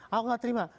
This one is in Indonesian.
ah saya tidak terima